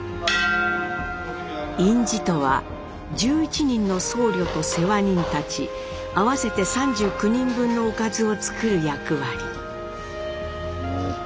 院士とは１１人の僧侶と世話人たち合わせて３９人分のおかずを作る役割。